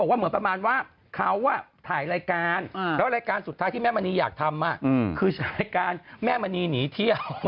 เขาบอกว่าถ่ายรายการไม่ว่าอาจจะโดนตอบปากมาแล้วมะครับเธอ